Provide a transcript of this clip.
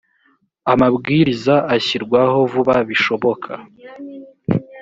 amabwiriza ashyirwaho vuba bishoboka